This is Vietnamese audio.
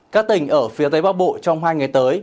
các tỉnh ở phía tây bắc bộ trong hai ngày tới